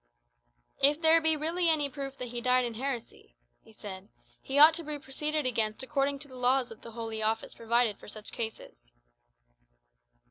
"If there be really any proof that he died in heresy," he said, "he ought to be proceeded against according to the laws of the Holy Office provided for such cases."